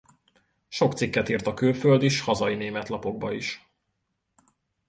Sok cikket írt a külföldi s hazai német lapokba is.